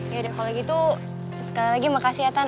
yaudah kalau gitu sekali lagi makasih ya tan